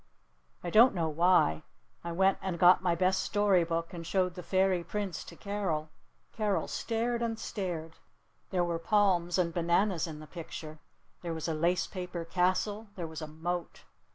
I don't know why. I went and got my best story book and showed the Fairy Prince to Carol. Carol stared and stared. There were palms and bananas in the picture. There was a lace paper castle. There was a moat.